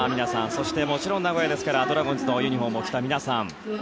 そして、もちろん名古屋ですからドラゴンズのユニホームを着た皆さん。